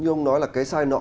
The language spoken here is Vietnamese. như ông nói là cái sai nọ